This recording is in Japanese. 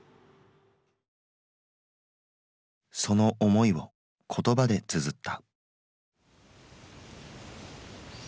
その思いを言葉でつづった。